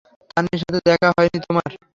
তানির সাথে দেখা হয়নি তোমার?